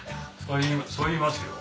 そう言いますよ。